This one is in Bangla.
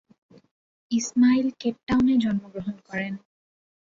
ইসমাইল কেপটাউন-এ জন্মগ্রহণ করেন।